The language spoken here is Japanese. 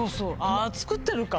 あ作ってるか。